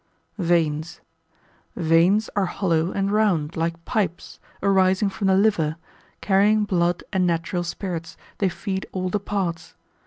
Veins.] Veins are hollow and round, like pipes, arising from the liver, carrying blood and natural spirits; they feed all the parts.